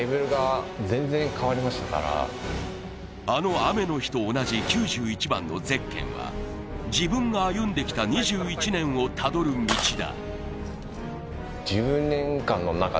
あの雨の日と同じ９１番のゼッケンは自分が歩んできた２１年をたどる道だ。